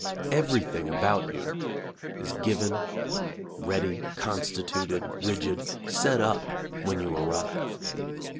Everything about you is given, ready, consti tuted, rigid, set up when you arrive.